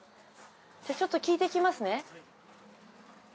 ちょっと聞いてきますね。